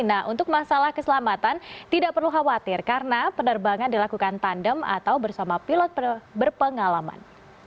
nah untuk masalah keselamatan tidak perlu khawatir karena penerbangan dilakukan tandem atau bersama pilot berpengalaman